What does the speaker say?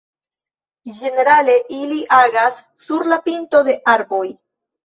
Ĝenerale ili agas sur la pinto de arboj.